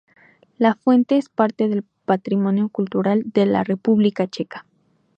La fuente es parte del Patrimonio Cultural de la República Checa.